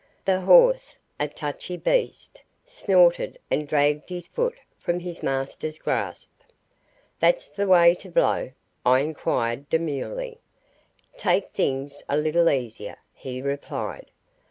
The horse a touchy beast snorted and dragged his foot from his master's grasp. "That the way to blow?" I inquired demurely. "Take things a little easier," he replied.